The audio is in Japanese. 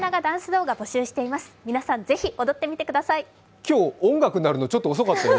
今日、音楽鳴るの、ちょっと遅かったよね。